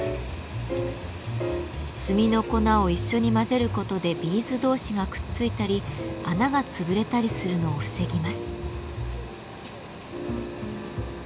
炭の粉を一緒に混ぜることでビーズ同士がくっついたり穴が潰れたりするのを防ぎます。